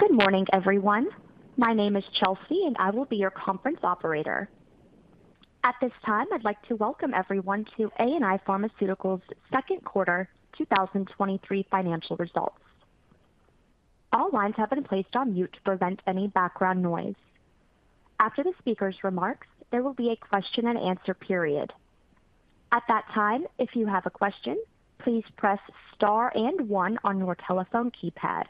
Good morning, everyone. My name is Chelsea, and I will be your conference operator. At this time, I'd like to welcome everyone to ANI Pharmaceuticals' second quarter 2023 financial results. All lines have been placed on mute to prevent any background noise. After the speaker's remarks, there will be a question and answer period. At that time, if you have a question, please press star and one on your telephone keypad.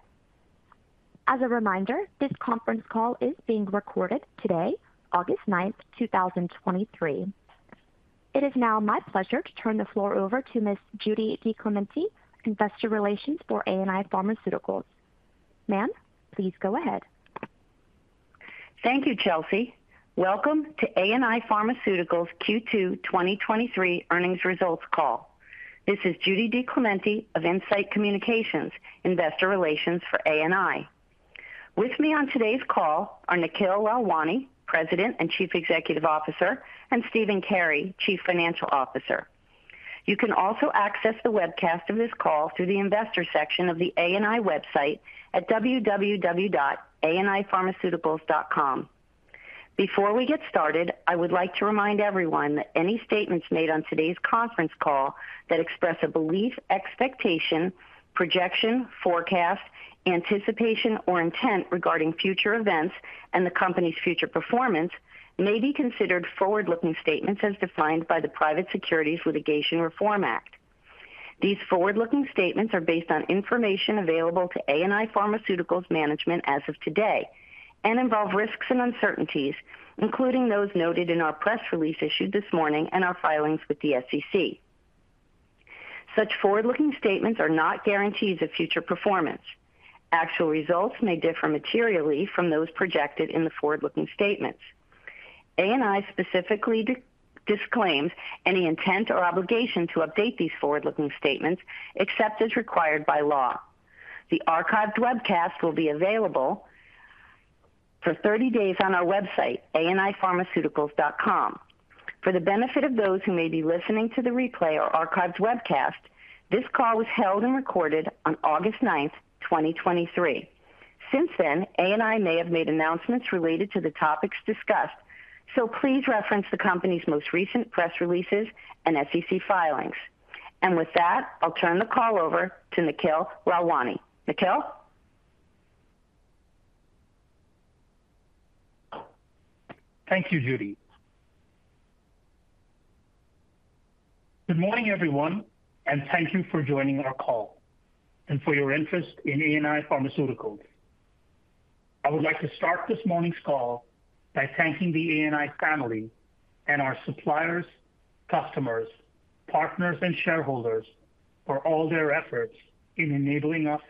As a reminder, this conference call is being recorded today, August ninth, 2023. It is now my pleasure to turn the floor over to Ms. Judy DiClemente, Investor Relations for ANI Pharmaceuticals. Ma'am, please go ahead. Thank you, Chelsea. Welcome to ANI Pharmaceuticals Q2 2023 earnings results call. This is Judy DiClemente of In-Site Communications, Investor Relations for ANI. With me on today's call are Nikhil Lalwani, President and Chief Executive Officer, and Stephen Carey, Chief Financial Officer. You can also access the webcast of this call through the investor section of the ANI website at www.anipharmaceuticals.com. Before we get started, I would like to remind everyone that any statements made on today's conference call that express a belief, expectation, projection, forecast, anticipation, or intent regarding future events and the company's future performance may be considered forward-looking statements as defined by the Private Securities Litigation Reform Act. These forward-looking statements are based on information available to ANI Pharmaceuticals management as of today and involve risks and uncertainties, including those noted in our press release issued this morning and our filings with the SEC. Such forward-looking statements are not guarantees of future performance. Actual results may differ materially from those projected in the forward-looking statements. ANI specifically disclaims any intent or obligation to update these forward-looking statements, except as required by law. The archived webcast will be available for 30 days on our website, anipharmaceuticals.com. For the benefit of those who may be listening to the replay or archived webcast, this call was held and recorded on 9th, August 2023. ANI may have made announcements related to the topics discussed, so please reference the company's most recent press releases and SEC filings. I'll turn the call over to Nikhil Lalwani. Nikhil? Thank you, Judy DiClemente. Good morning, everyone, and thank you for joining our call and for your interest in ANI Pharmaceuticals. I would like to start this morning's call by thanking the ANI family and our suppliers, customers, partners, and shareholders for all their efforts in enabling us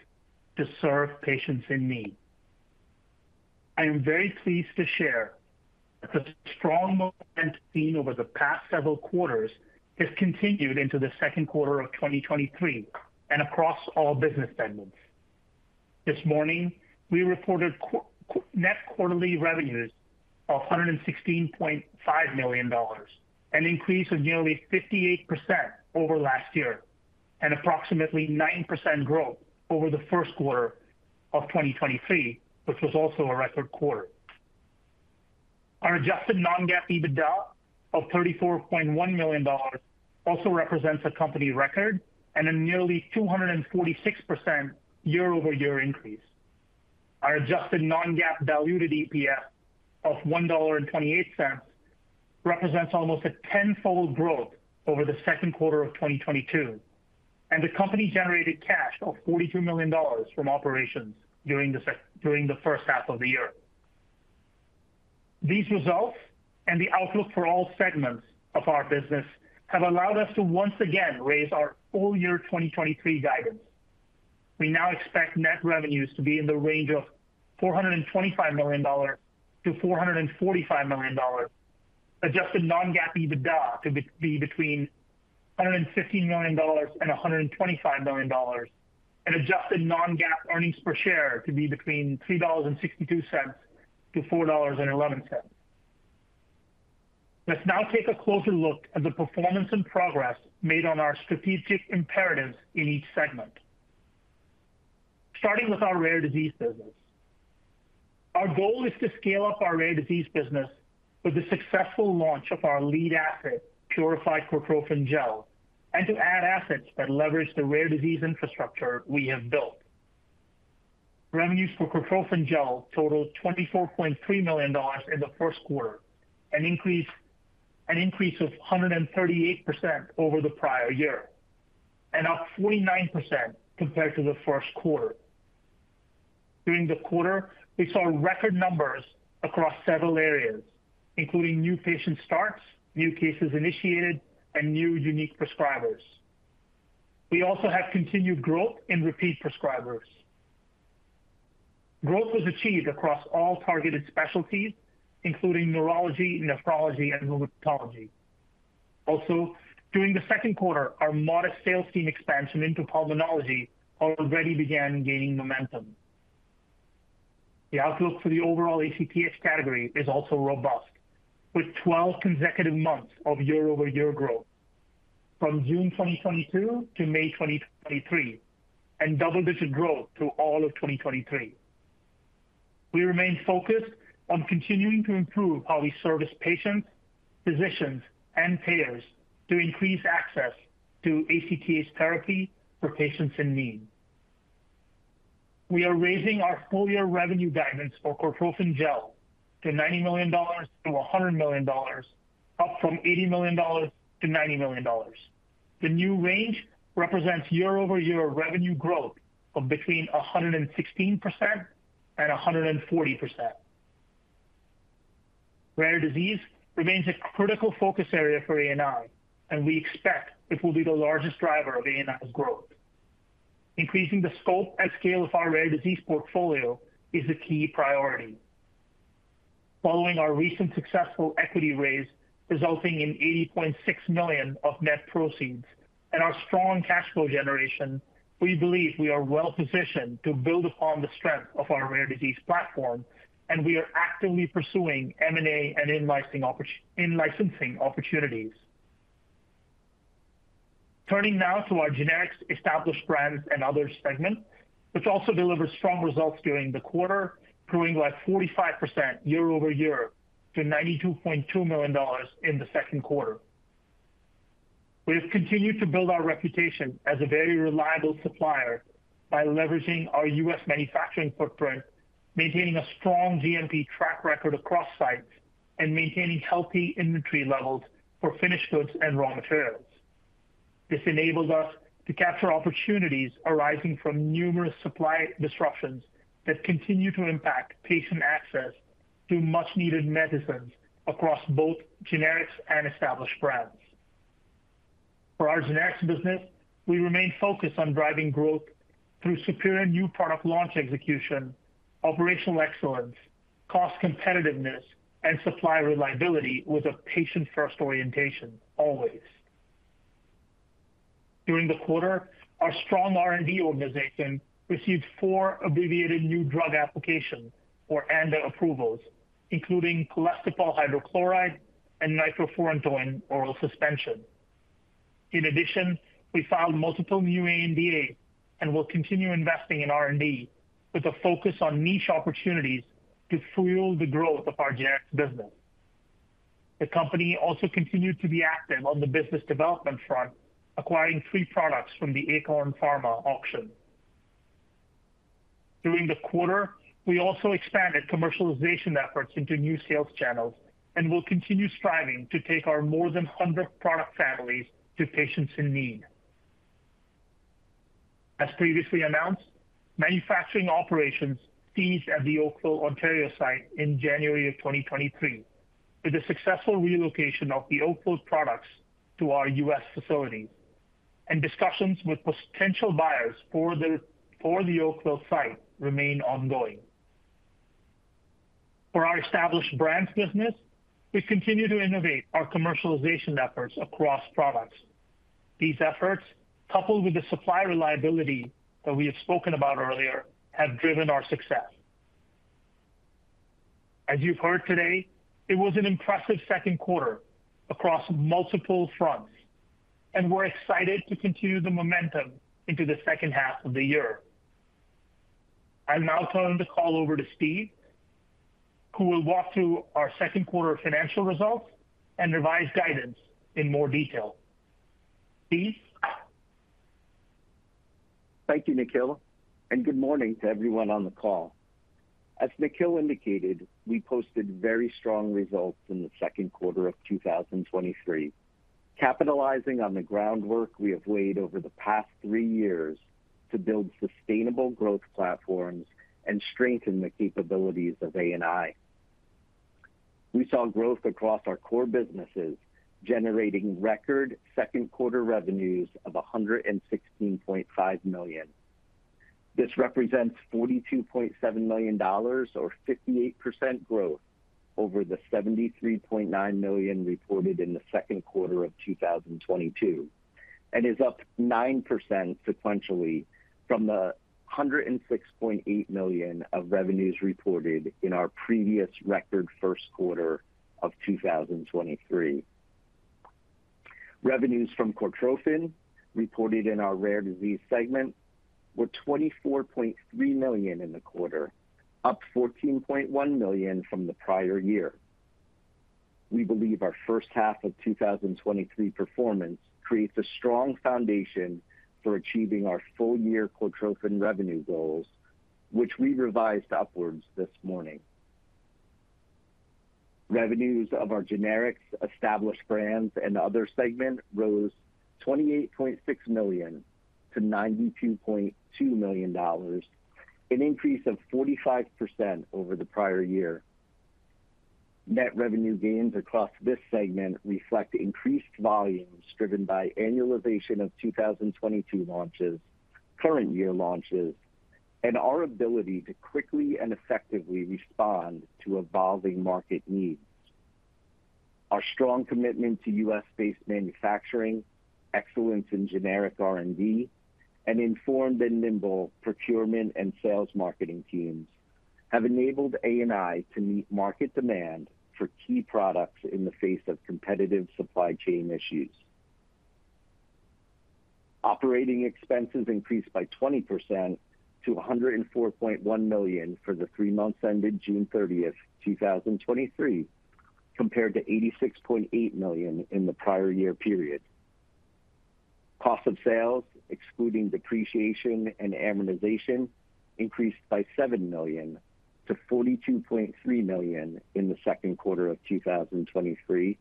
to serve patients in need. I am very pleased to share that the strong momentum seen over the past several quarters has continued into the second quarter of 2023 and across all business segments. This morning, we reported net quarterly revenues of $116.5 million, an increase of nearly 58% over last year and approximately 9% growth over the first quarter of 2023, which was also a record quarter. Our adjusted non-GAAP EBITDA of $34.1 million also represents a company record and a nearly 246% year-over-year increase. Our adjusted non-GAAP diluted EPS of $1.28 represents almost a tenfold growth over the second quarter of 2022, and the company generated cash of $42 million from operations during the first half of the year. These results and the outlook for all segments of our business have allowed us to once again raise our full-year 2023 guidance. We now expect net revenues to be in the range of $425 million-$445 million. Adjusted non-GAAP EBITDA to be between $115 million and $125 million, adjusted non-GAAP earnings per share to be between $3.62- $4.11. Let's now take a closer look at the performance and progress made on our strategic imperatives in each segment. Starting with our rare disease business. Our goal is to scale up our rare disease business with the successful launch of our lead asset, Purified Cortrophin Gel, and to add assets that leverage the rare disease infrastructure we have built. Revenues for Cortrophin Gel totaled $24.3 million in the first quarter, an increase of 138% over the prior year and up 49% compared to the first quarter. During the quarter, we saw record numbers across several areas, including new patient starts, new cases initiated, and new unique prescribers. We also have continued growth in repeat prescribers. Growth was achieved across all targeted specialties, including neurology, nephrology, and rheumatology. Also, during the second quarter, our modest sales team expansion into pulmonology already began gaining momentum. The outlook for the overall ACTH category is also robust, with 12 consecutive months of year-over-year growth from June 2022 to May 2023, and double-digit growth through all of 2023. We remain focused on continuing to improve how we service patients, physicians, and payers to increase access to ACTH therapy for patients in need. We are raising our full-year revenue guidance for Cortrophin Gel to $90 million-$100 million, up from $80 million-$90 million. The new range represents year-over-year revenue growth of between 116% and 140%. Rare disease remains a critical focus area for ANI, and we expect it will be the largest driver of ANI's growth. Increasing the scope and scale of our rare disease portfolio is a key priority. Following our recent successful equity raise, resulting in $80.6 million of net proceeds and our strong cash flow generation, we believe we are well-positioned to build upon the strength of our rare disease platform, and we are actively pursuing M&A and in-licensing opportunities. Turning now to our generics, established brands, and other segment, which also delivered strong results during the quarter, growing by 45% year-over-year- $92.2 million in the second quarter. We have continued to build our reputation as a very reliable supplier by leveraging our US manufacturing footprint, maintaining a strong GMP track record across sites, and maintaining healthy inventory levels for finished goods and raw materials. This enables us to capture opportunities arising from numerous supply disruptions that continue to impact patient access to much-needed medicines across both generics and established brands. For our generics business, we remain focused on driving growth through superior new product launch execution, operational excellence, cost competitiveness, and supply reliability with a patient-first orientation, always. During the quarter, our strong R&D organization received four abbreviated new drug applications for ANDA approvals, including colestipol hydrochloride and nitrofurantoin oral suspension. In addition, we filed multiple new ANDAs and will continue investing in R&D with a focus on niche opportunities to fuel the growth of our generics business. The company also continued to be active on the business development front, acquiring 3 products from the Akorn Pharma auction. During the quarter, we also expanded commercialization efforts into new sales channels and will continue striving to take our more than 100 product families to patients in need. As previously announced, manufacturing operations ceased at the Oakville, Ontario site in January of 2023, with a successful relocation of the Oakville products to our U.S. facilities, and discussions with potential buyers for the Oakville site remain ongoing. For our established brands business, we continue to innovate our commercialization efforts across products. These efforts, coupled with the supply reliability that we have spoken about earlier, have driven our success. As you've heard today, it was an impressive second quarter across multiple fronts, and we're excited to continue the momentum into the second half of the year. I'll now turn the call over to Steve, who will walk through our second quarter financial results and revised guidance in more detail. Steve? Thank you, Nikhil, and good morning to everyone on the call. As Nikhil indicated, we posted very strong results in the second quarter of 2023, capitalizing on the groundwork we have laid over the past 3 years to build sustainable growth platforms and strengthen the capabilities of ANI. We saw growth across our core businesses, generating record second-quarter revenues of $116.5 million. This represents $42.7 million or 58% growth over the $73.9 million reported in the second quarter of 2022 and is up 9% sequentially from the $106.8 million of revenues reported in our previous record first quarter of 2023. Revenues from Cortrophin, reported in our rare disease segment, were $24.3 million in the quarter, up $14.1 million from the prior year. We believe our first half of 2023 performance creates a strong foundation for achieving our full-year Cortrophin revenue goals, which we revised upwards this morning. Revenues of our generics, established brands, and other segment rose $28.6 million- $92.2 million, an increase of 45% over the prior year. Net revenue gains across this segment reflect increased volumes driven by annualization of 2022 launches, current year launches, and our ability to quickly and effectively respond to evolving market needs. Our strong commitment to US-based manufacturing, excellence in generic R&D, and informed and nimble procurement and sales marketing teams have enabled ANI to meet market demand for key products in the face of competitive supply chain issues. Operating expenses increased by 20% - $104.1 million for the three months ended 30th, June 2023, compared to $86.8 million in the prior year period. Cost of sales, excluding depreciation and amortization, increased by $7 million- $42.3 million in the second quarter of 2023,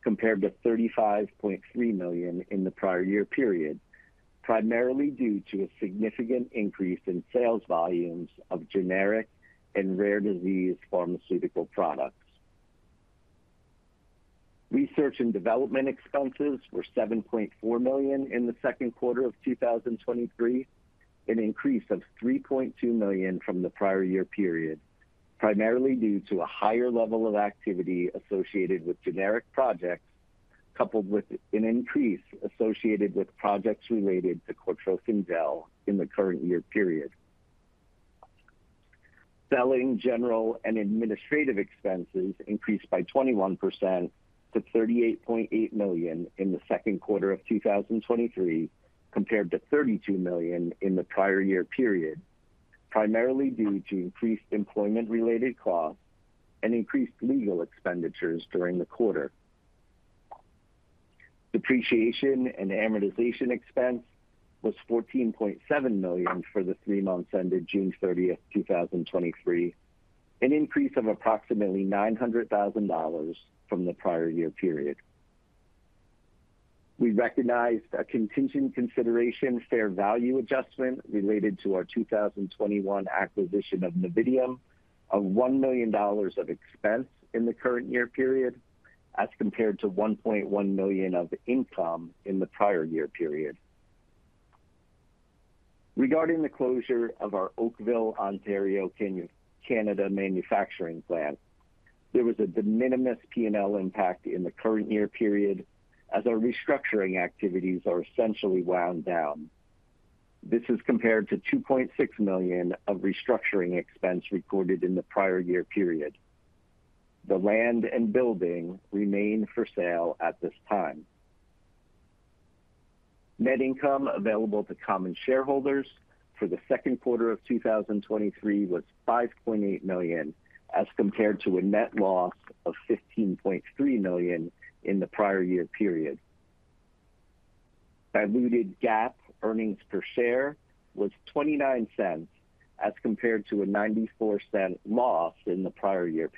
compared to $35.3 million in the prior year period, primarily due to a significant increase in sales volumes of generic and rare disease pharmaceutical products. Research and development expenses were $7.4 million in the second quarter of 2023, an increase of $3.2 million from the prior year period, primarily due to a higher level of activity associated with generic projects, coupled with an increase associated with projects related to Cortrophin Gel in the current year period. Selling, general, and administrative expenses increased by 21% -$38.8 million in the second quarter of 2023, compared - $32 million in the prior year period, primarily due to increased employment-related costs and increased legal expenditures during the quarter. Depreciation and amortization expense was $14.7 million for the three months ended 30th, June 2023, an increase of approximately $900,000 from the prior year period. We recognized a contingent consideration fair value adjustment related to our 2021 acquisition of Novitium, of $1 million of expense in the current year period, as compared to $1.1 million of income in the prior year period. Regarding the closure of our Oakville, Ontario, Canada manufacturing plant, there was a de minimis P&L impact in the current year period, as our restructuring activities are essentially wound down. This is compared to $2.6 million of restructuring expense recorded in the prior year period. The land and building remain for sale at this time. Net income available to common shareholders for the second quarter of 2023 was $5.8 million, as compared to a net loss of $15.3 million in the prior year period. Diluted GAAP earnings per share was $0.29, as compared to a $0.94 loss in the prior year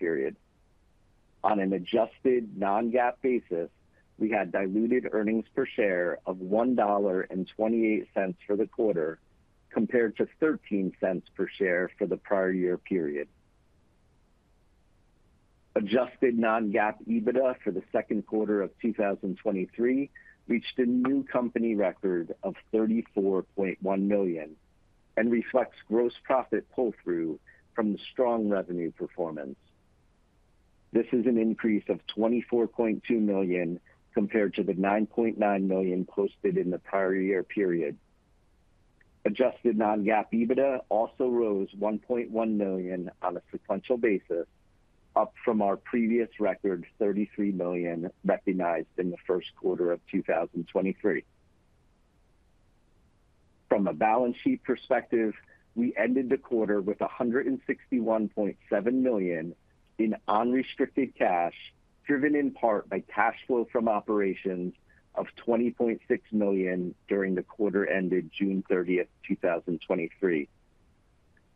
period. On an adjusted non-GAAP basis, we had diluted earnings per share of $1.28 for the quarter, compared to $0.13 per share for the prior year period. Adjusted non-GAAP EBITDA for the second quarter of 2023 reached a new company record of $34.1 million and reflects gross profit pull-through from the strong revenue performance. This is an increase of $24.2 million compared to the $9.9 million posted in the prior year period. Adjusted non-GAAP EBITDA also rose $1.1 million on a sequential basis, up from our previous record, $33 million, recognized in the first quarter of 2023. From a balance sheet perspective, we ended the quarter with $161.7 million in unrestricted cash, driven in part by cash flow from operations of $20.6 million during the quarter ended June thirtieth, 2023.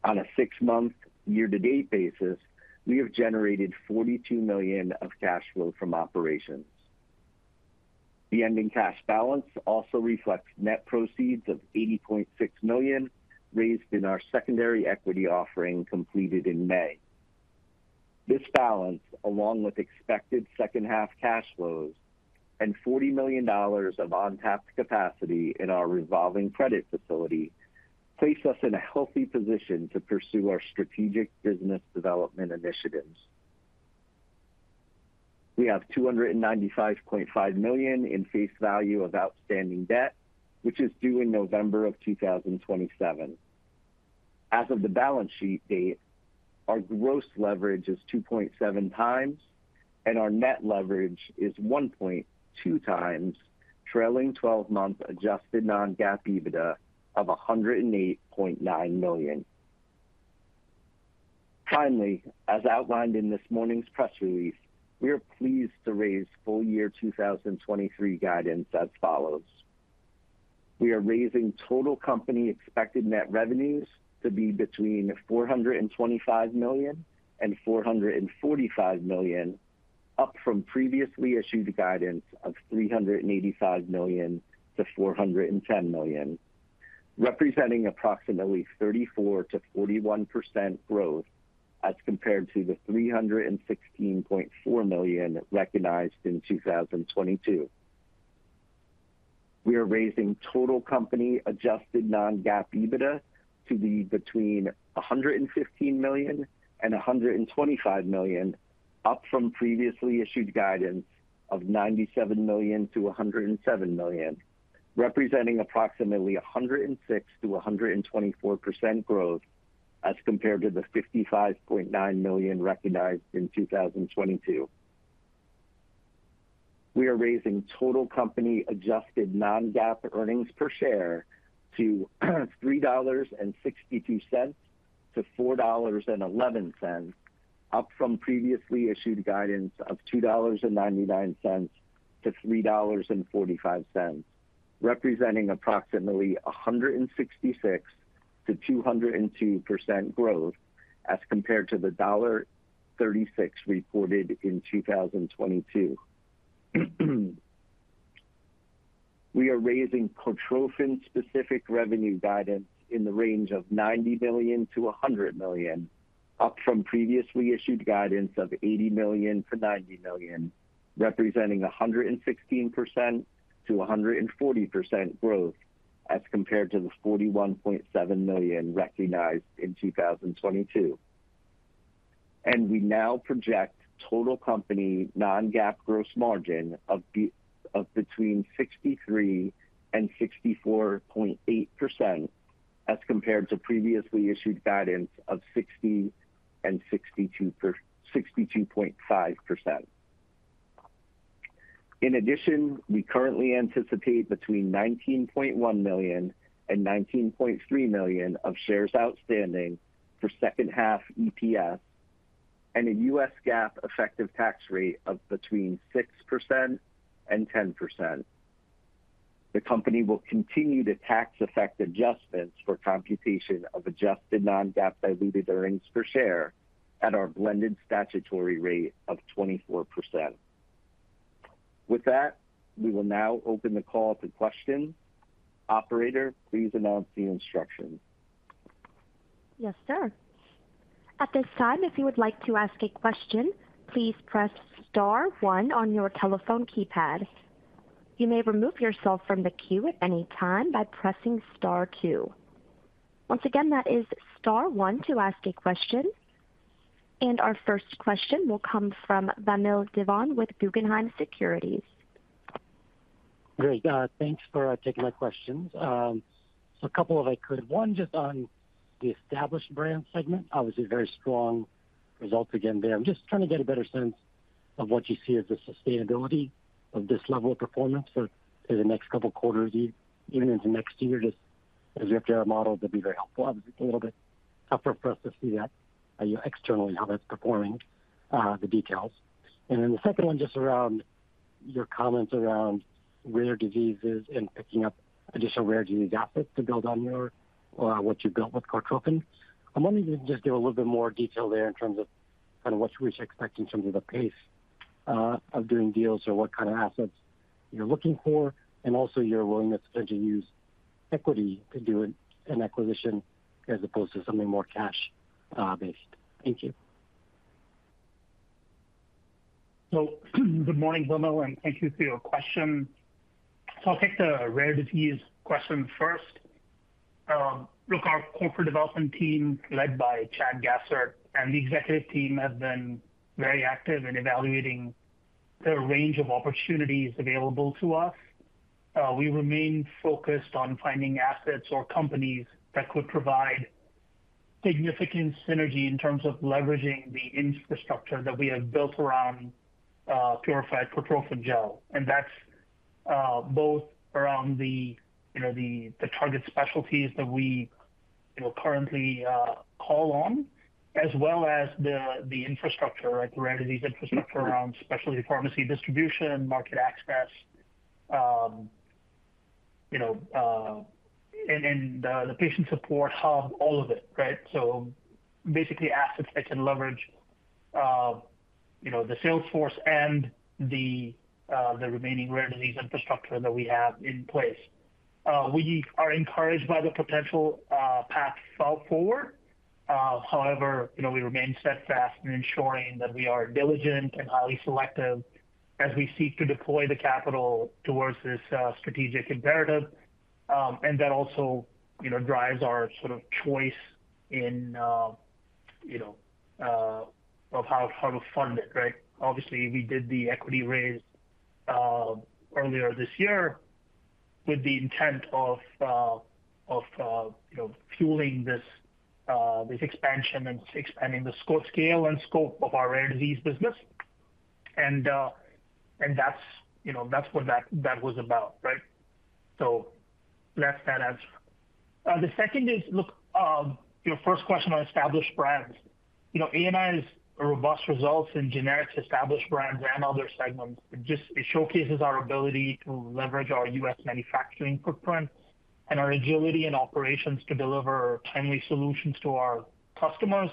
On a six-month year-to-date basis, we have generated $42 million of cash flow from operations. The ending cash balance also reflects net proceeds of $80.6 million, raised in our secondary equity offering completed in May. This balance, along with expected second-half cash flows and $40 million of untapped capacity in our revolving credit facility, place us in a healthy position to pursue our strategic business development initiatives. We have $295.5 million in face value of outstanding debt, which is due in November of 2027. As of the balance sheet date, our gross leverage is 2.7x, and our net leverage is 1.2x, trailing-twelve-month adjusted non-GAAP EBITDA of $108.9 million. Finally, as outlined in this morning's press release, we are pleased to raise full-year 2023 guidance as follows: We are raising total company expected net revenues to be between $425 million and $445 million, up from previously issued guidance of $385 million- $410 million, representing approximately 34%-41% growth as compared to the $316.4 million recognized in 2022. We are raising total company adjusted non-GAAP EBITDA to be between $115 million and $125 million, up from previously issued guidance of $97 million - $107 million. Representing approximately 106%-124% growth as compared to the $55.9 million recognized in 2022. We are raising total company adjusted non-GAAP earnings per share to $3.62-$4.11, up from previously issued guidance of $2.99-$3.45, representing approximately 166%-202% growth as compared to the $1.36 reported in 2022. We are raising Cortrophin specific revenue guidance in the range of $90 million-$100 million, up from previously issued guidance of $80 million-$90 million, representing 116%-140% growth as compared to the $41.7 million recognized in 2022. We now project total company non-GAAP gross margin of between 63% and 64.8% as compared to previously issued guidance of 60% and 62.5%. In addition, we currently anticipate between 19.1 million and 19.3 million of shares outstanding for second half EPS and a US GAAP effective tax rate of between 6% and 10%. The company will continue to tax effect adjustments for computation of adjusted non-GAAP diluted earnings per share at our blended statutory rate of 24%. With that, we will now open the call to questions. Operator, please announce the instructions. Yes, sir. At this time, if you would like to ask a question, please press star one on your telephone keypad. You may remove yourself from the queue at any time by pressing star two. Once again, that is star one to ask a question. Our first question will come from Vamil Divan with Guggenheim Securities. Great, thanks for taking my questions. A couple if I could. One, just on the established brand segment, obviously very strong results again there. I'm just trying to get a better sense of what you see as the sustainability of this level of performance for, in the next couple quarters, even, even into next year. Just as you have your models, that'd be very helpful. Obviously, it's a little bit tougher for us to see that, externally, how that's performing, the details. Then the second one, just around your comments around rare diseases and picking up additional rare disease assets to build on your, what you built with Cortrophin. I'm wondering if you can just give a little bit more detail there in terms of kind of what should we expecting in terms of the pace of doing deals, or what kind of assets you're looking for, and also your willingness to potentially use equity to do an, an acquisition as opposed to something more cash based? Thank you. Good morning, Vamil, and thank you for your question. I'll take the rare disease question first. Look, our corporate development team, led by Chad Gassert and the executive team, have been very active in evaluating the range of opportunities available to us. We remain focused on finding assets or companies that could provide significant synergy in terms of leveraging the infrastructure that we have built around Purified Cortrophin Gel. That's both around the, you know, the, the target specialties that we, you know, currently call on, as well as the, the infrastructure, like the rare disease infrastructure around specialty pharmacy distribution, market access, you know, and the, the patient support hub, all of it, right? Basically, assets that can leverage, you know, the sales force and the, the remaining rare disease infrastructure that we have in place. We are encouraged by the potential, path forward. However, you know, we remain steadfast in ensuring that we are diligent and highly selective as we seek to deploy the capital towards this, strategic imperative. And that also, you know, drives our sort of choice in, you know, of how, how to fund it, right? Obviously, we did the equity raise, earlier this year with the intent of, of, you know, fueling this, this expansion and expanding the scale and scope of our rare disease business. And, and that's, you know, that's what that, that was about, right? That's that answer. The second is, look, your first question on established brands. You know, ANI's robust results in generics, established brands, and other segments, just it showcases our ability to leverage our US manufacturing footprint and our agility and operations to deliver timely solutions to our customers.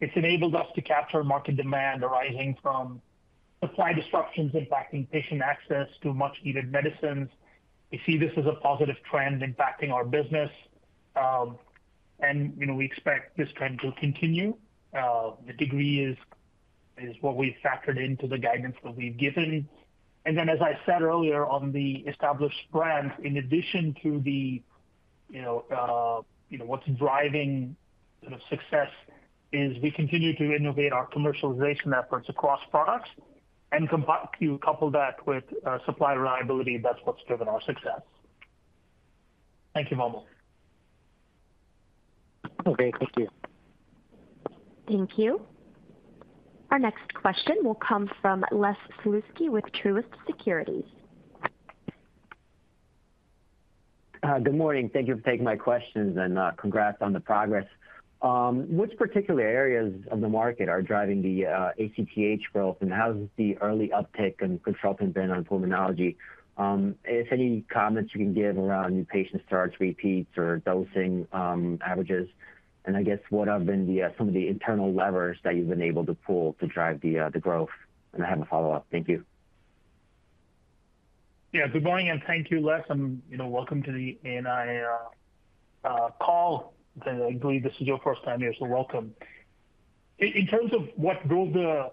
It's enabled us to capture market demand arising from supply disruptions impacting patient access to much-needed medicines. We see this as a positive trend impacting our business, and, you know, we expect this trend to continue. The degree is, is what we've factored into the guidance that we've given. Then, as I said earlier, on the established brand, in addition to the-you know, you know, what's driving sort of success is we continue to innovate our commercialization efforts across products, and you couple that with supply reliability, that's what's driven our success. Thank you, Vamil. Okay, thank you. Thank you. Our next question will come from Les Sulewski with Truist Securities. Good morning. Thank you for taking my questions, and congrats on the progress. Which particular areas of the market are driving the ACTH growth, and how does the early uptick in consumption been on pulmonology? If any comments you can give around new patient starts, repeats, or dosing, averages, and I guess what have been the some of the internal levers that you've been able to pull to drive the growth? I have a follow-up. Thank you. Yeah, good morning, thank you, Les, you know, welcome to the ANI call. I believe this is your first time here, welcome. In terms of what drove the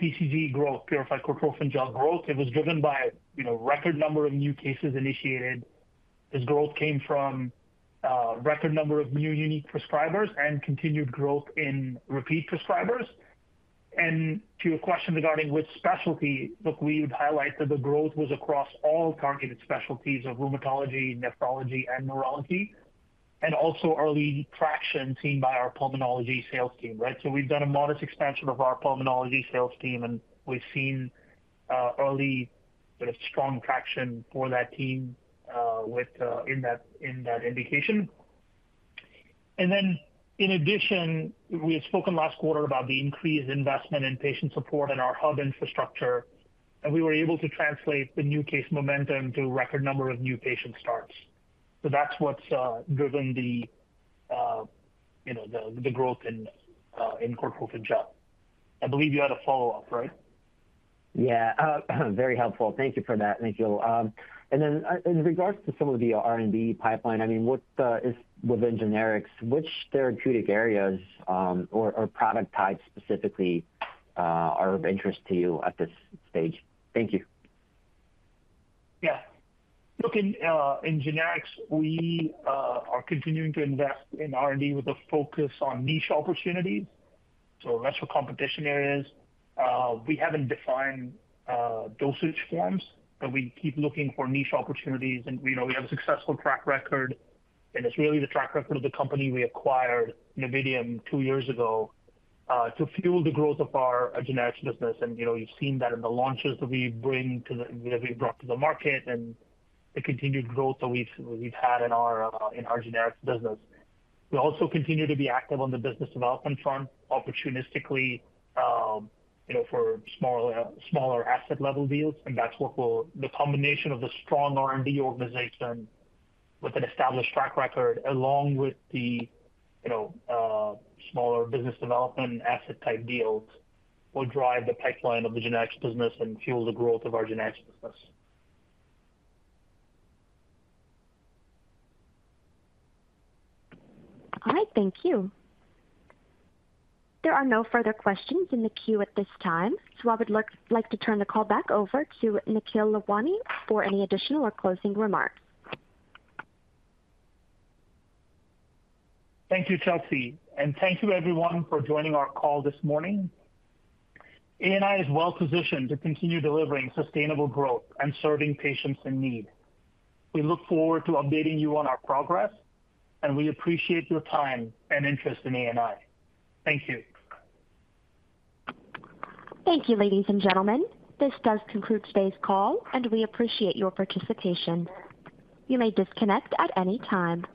PCG growth, Purified Cortrophin Gel growth, it was driven by, you know, record number of new cases initiated. This growth came from record number of new unique prescribers and continued growth in repeat prescribers. To your question regarding which specialty, look, we would highlight that the growth was across all targeted specialties of rheumatology, nephrology, and neurology, and also early traction seen by our pulmonology sales team, right? We've done a modest expansion of our pulmonology sales team, and we've seen early, but a strong traction for that team with in that indication. In addition, we had spoken last quarter about the increased investment in patient support and our hub infrastructure, and we were able to translate the new case momentum to a record number of new patient starts. That's what's driven the, you know, the, the growth in Cortrophin Gel. I believe you had a follow-up, right? Yeah, very helpful. Thank you for that, Nikhil. In regards to some of the R&D pipeline, I mean, what is within generics, which therapeutic areas, or product types specifically, are of interest to you at this stage? Thank you. Yeah. Look, in, in generics, we are continuing to invest in R&D with a focus on niche opportunities, so less for competition areas. We haven't defined dosage forms, but we keep looking for niche opportunities, and we know we have a successful track record, and it's really the track record of the company we acquired, Novitium, two years ago, to fuel the growth of our generics business. You know, you've seen that in the launches that we brought to the market and the continued growth that we've, we've had in our generics business. We also continue to be active on the business development front, opportunistically, you know, for smaller, smaller asset level deals, and that's what will. The combination of the strong R&D organization with an established track record, along with the, you know, smaller business development asset type deals, will drive the pipeline of the generics business and fuel the growth of our generics business. All right, thank you. There are no further questions in the queue at this time, so I would like to turn the call back over to Nikhil Lalwani for any additional or closing remarks. Thank you, Chelsea, and thank you everyone for joining our call this morning. ANI is well positioned to continue delivering sustainable growth and serving patients in need. We look forward to updating you on our progress, and we appreciate your time and interest in ANI. Thank you. Thank you, ladies and gentlemen. This does conclude today's call, and we appreciate your participation. You may disconnect at any time.